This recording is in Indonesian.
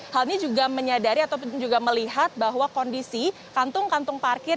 hal ini juga menyadari atau juga melihat bahwa kondisi kantung kantung parkir